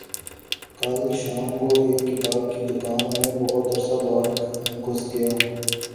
کل شام کو ایک کتاب کی دکان میں بہت عرصہ بعد گھس گیا